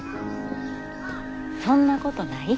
そんなことない。